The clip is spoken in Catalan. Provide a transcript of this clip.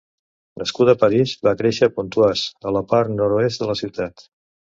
Nascuda a París, va créixer a Pontoise a la part nord-oest de la ciutat.